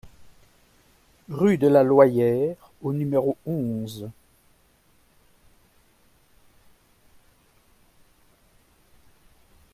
Rue de la Loyère au numéro onze